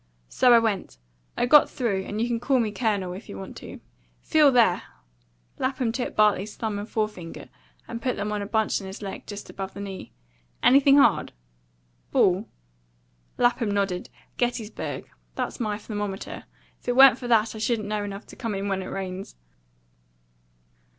So I went. I got through; and you can call me Colonel, if you want to. Feel there!" Lapham took Bartley's thumb and forefinger and put them on a bunch in his leg, just above the knee. "Anything hard?" "Ball?" Lapham nodded. "Gettysburg. That's my thermometer. If it wa'n't for that, I shouldn't know enough to come in when it rains."